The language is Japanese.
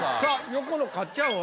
横の勝ちゃんは？